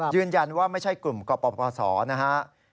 ยืนยันว่าไม่ใช่กลุ่มเกาะประสอบนะฮะ